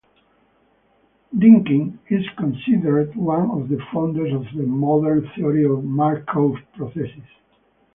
Dynkin is considered one of the founders of the modern theory of Markov processes.